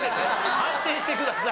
反省してください！